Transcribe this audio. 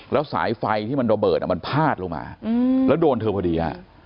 แล้วสายไฟที่มันระเบิดมันพาดลงมาแล้วโดนเธอพอดีฮะ